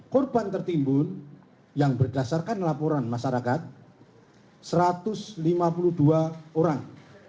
korban tertimbun yang berdasarkan laporan masyarakat satu ratus lima puluh dua orang